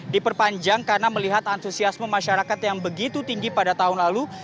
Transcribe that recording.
diperpanjang karena melihat antusiasme masyarakat yang begitu tinggi pada tahun lalu